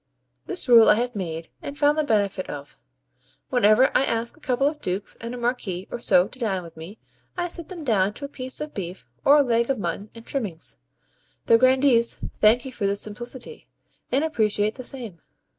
This rule I have made, and found the benefit of. Whenever I ask a couple of Dukes and a Marquis or so to dine with me, I set them down to a piece of beef, or a leg of mutton and trimmings. The grandees thank you for this simplicity, and appreciate the same.